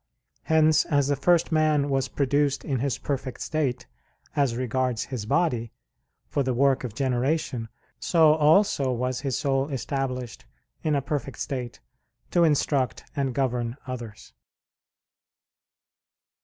Hence, as the first man was produced in his perfect state, as regards his body, for the work of generation, so also was his soul established in a perfect state to instruct and govern others.